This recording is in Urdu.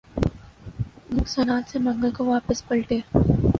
نقصانات سے منگل کو واپس پلٹے